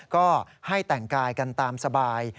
ก็ให้แต่งกายกันตามสบาย